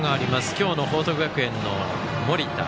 今日の報徳学園の盛田。